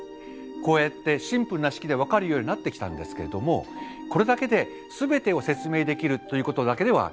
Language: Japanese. こうやってシンプルな式で分かるようになってきたんですけれどもこれだけですべてを説明できるということだけではなかったんですね。